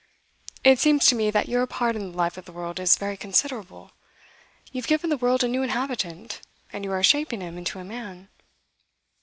'It seems to me that your part in the life of the world is very considerable. You have given the world a new inhabitant, and you are shaping him into a man.